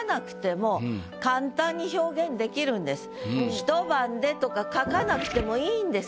「ひと晩で」とか書かなくてもいいんです。